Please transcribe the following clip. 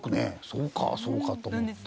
そうかそうかと思って。